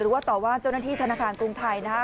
หรือว่าต่อว่าเจ้านาธิธนาคารกรุงไทยนะฮะ